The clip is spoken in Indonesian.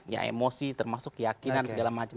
ya emosi termasuk keyakinan segala macam